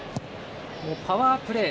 パワープレー。